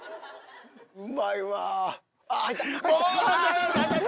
うまいわ！